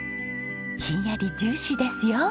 ひんやりジューシーですよ。